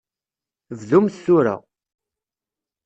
Bdumt tura.